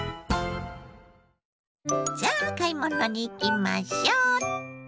さあ買い物に行きましょう！